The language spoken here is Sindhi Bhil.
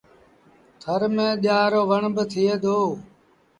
ٿر ميݩ ڄآر رو وڻ با ٿئي دو۔